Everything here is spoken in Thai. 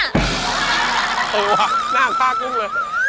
เออว่ะหน้าฝ้ากุ้งเลย